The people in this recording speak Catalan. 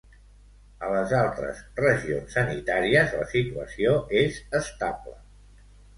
A les altres regions sanitàries la situació és estable.